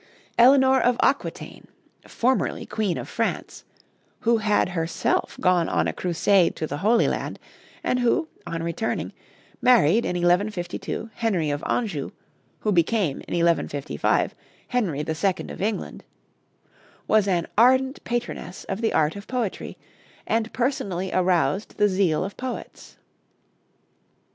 Eleanor of Aquitaine, formerly Queen of France, who had herself gone on a crusade to the Holy Land, and who, on returning, married in 1152 Henry of Anjou, who became in 1155 Henry II. of England, was an ardent patroness of the art of poetry, and personally aroused the zeal of poets.